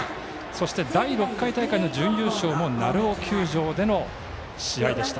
そして第６回大会の準優勝でも鳴尾球場での試合でした。